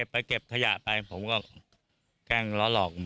ไปเก็บขยะไปผมก็แกล้งล้อหลอก